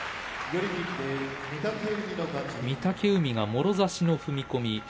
御嶽海もろ差しの踏み込み